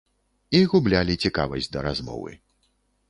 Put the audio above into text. І гублялі цікавасць да размовы.